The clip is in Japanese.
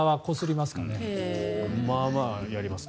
まあまあやりますね。